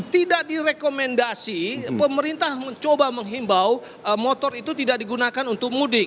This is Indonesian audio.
tidak direkomendasi pemerintah mencoba menghimbau motor itu tidak digunakan untuk mudik